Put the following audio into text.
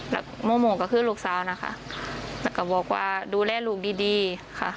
แล้วโมโมก็คือลูกสาวนะคะแล้วก็บอกว่าดูแลลูกดีดีค่ะ